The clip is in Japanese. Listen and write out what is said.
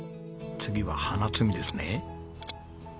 次は花摘みですね。